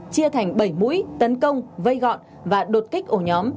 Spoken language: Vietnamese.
chia thành bảy mũi tấn công vây gọn và đột kích ổ nhóm